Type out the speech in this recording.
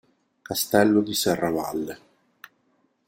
Castello di Serravalle